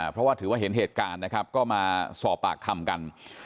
เพราะว่าถือว่าเห็นเหตุการณ์นะครับก็มาสอบปากคำกัน